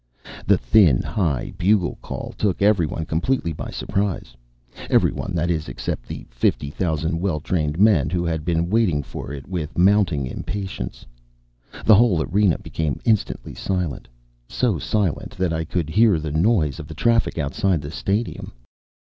The thin, high bugle call took everyone completely by surprise— everyone, that is, except the fifty thousand well trained men who had been waiting for it with mount ing impatience. The whole arena became instantly silent, so silent that I could hear the noise of the traffic outside the stadium.